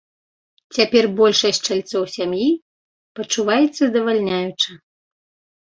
Цяпер большасць чальцоў сям'і пачуваецца здавальняюча.